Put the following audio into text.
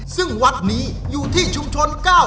ซึ่งวัดนี้อยู่ที่ชุมชน๙